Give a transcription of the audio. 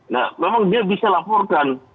nah memang dia bisa laporkan